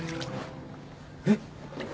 ・えっ！？